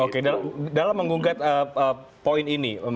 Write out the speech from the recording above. oke dalam mengugat poin ini